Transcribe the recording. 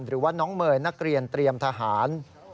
หรือว่าน้องเมย์นักเรียนเตรียมทหาร